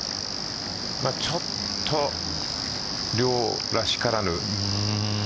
ちょっと遼らしからぬ。